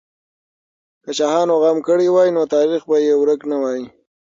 که شاهانو غم کړی وای، نو تاریخ به یې ورک نه وای.